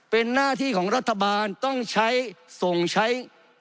เป็นหน้าที่ของรัฐบาลต้องใช้ส่งใช้